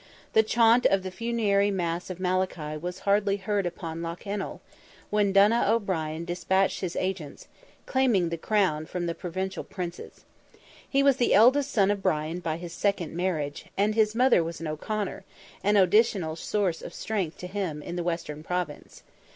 The chaunt of the funeral Mass of Malachy was hardly heard upon Lough Ennel, when Donogh O'Brien despatched his agents, claiming the crown from the Provincial Princes. He was the eldest son of Brian by his second marriage, and his mother was an O'Conor, an additional source of strength to him, in the western Province.